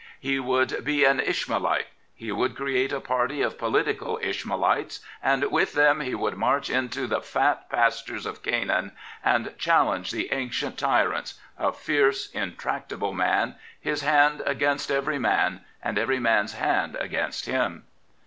He would be an Ishmaelite. He would create a party of political Ishmaelites, and with them he would march into the fat pastures of Canaan and challenge the ancient tyrants — a fierce, intractable man, his hand against every man, and every man's hand against him.